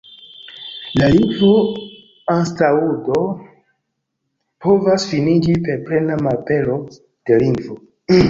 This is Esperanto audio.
La lingvo-anstaŭado povas finiĝi per plena malapero de lingvo.